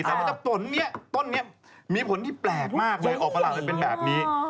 แต่ต้นนี้มีผลที่แปลกมากเลยออกประหลาดเป็นแบบนี้